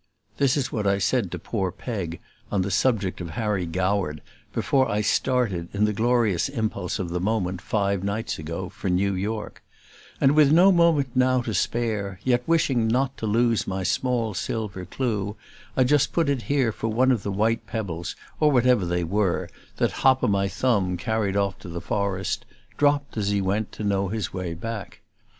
This is what I said to poor Peg, on the subject of Harry Goward, before I started, in the glorious impulse of the moment, five nights ago, for New York; and, with no moment now to spare, yet wishing not to lose my small silver clue, I just put it here for one of the white pebbles, or whatever they were, that Hop o' my Thumb, carried off to the forest, dropped, as he went, to know his way back.